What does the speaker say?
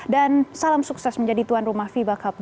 dan salam sukses menjadi tuan rumah fiba cup dua ribu dua puluh dua